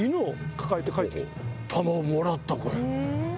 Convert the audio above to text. もらったこれ。